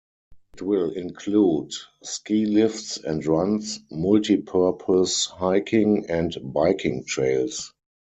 It will include ski lifts and runs, multi-purpose hiking, and biking trails.